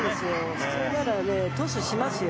普通ならトスしますよ。